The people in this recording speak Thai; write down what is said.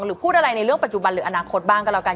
หรือพูดอะไรในเรื่องปัจจุบันหรืออนาคตบ้างก็แล้วกัน